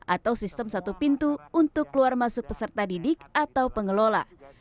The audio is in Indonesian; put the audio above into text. atau sistem satu pintu untuk keluar masuk peserta didik atau pengelola